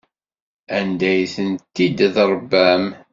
Anda ay tent-id-tṛebbam?